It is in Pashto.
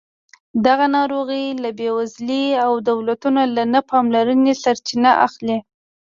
دغه ناروغۍ له بېوزلۍ او دولتونو له نه پاملرنې سرچینه اخلي.